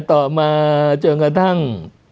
ต่อมาจนกระทั่ง